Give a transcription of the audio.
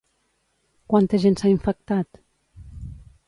Quanta gent s'ha infectat?